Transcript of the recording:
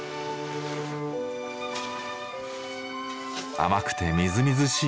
甘くてみずみずしい